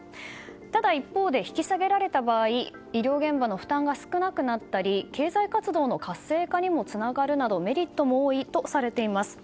ただ一方で引き下げられた場合医療現場の負担が少なくなったり経済活動の活性化にもつながるなどメリットも多いとされています。